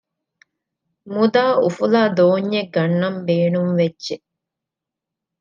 މުދާ އުފުލާ ދޯންޏެއް ގަންނަން ބޭނުންވެއްޖެ